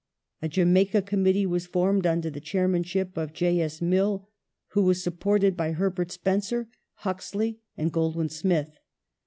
A Jamaica Committee was formed under the Chairmanship of J. S. Mill, who was supported by Herbert Spencer, Huxley, and Gold win Smith.